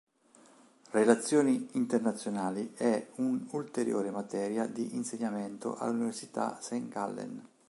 Relazioni Internazionali è un'ulteriore materia di insegnamento all'Università St. Gallen.